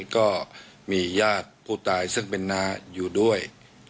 ก็มีญาติผู้ตายซึ่งเป็นน้าอยู่ด้วย